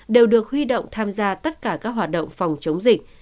đều được huy động tham gia tất cả các hoạt động phòng chống dịch